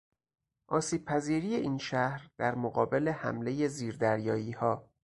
آسیب پذیری این شهر در مقابل حملهی زیر دریاییها